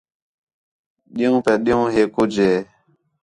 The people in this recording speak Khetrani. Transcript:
ݙِین٘ہوں پِیا ݙِین٘ہوں ہِے کُج ہِے